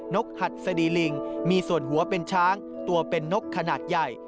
กหัดสดีลิงมีส่วนหัวเป็นช้างตัวเป็นนกขนาดใหญ่